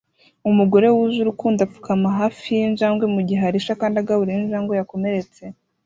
Umugore wuje urukundo apfukama hafi yinjangwe mugihe arisha kandi agaburira injangwe yakomeretse